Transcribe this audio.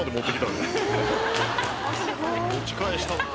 持ち返したな。